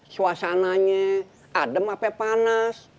suasananya adem apa panas